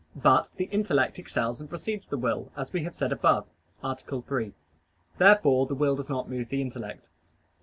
But the intellect excels and precedes the will, as we have said above (A. 3). Therefore the will does not move the intellect.